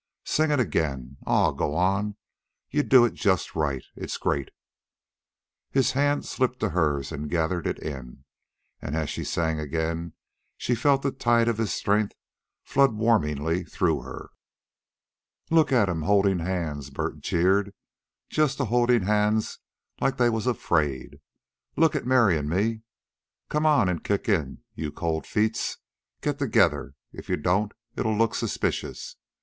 "Sing it again. Aw, go on. You do it just right. It's great." His hand slipped to hers and gathered it in, and as she sang again she felt the tide of his strength flood warmingly through her. "Look at 'em holdin' hands," Bert jeered. "Just a holdin' hands like they was afraid. Look at Mary an' me. Come on an' kick in, you cold feets. Get together. If you don't, it'll look suspicious.